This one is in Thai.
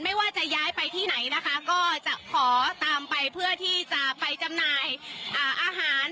ว่าจะย้ายไปที่ไหนนะคะก็จะขอตามไปเพื่อที่จะไปจำหน่ายอาหาร